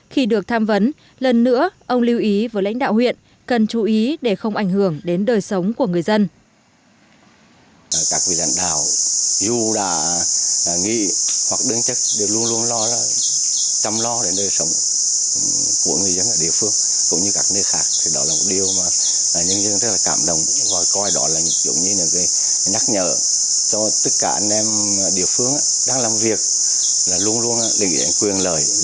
khi được tham vấn lần nữa ông lưu ý với lãnh đạo huyện cần chú ý để không ảnh hưởng đến đời sống của người dân